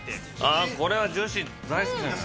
あこれは女子大好きじゃない？